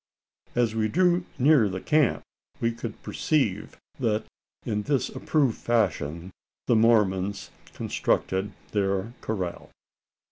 As we drew near the camp, we could perceive that in this approved fashion had the Mormons constructed their corral.